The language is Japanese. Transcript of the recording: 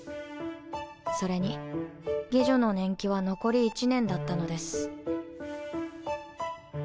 それに妓女の年季は残り１年だったのです。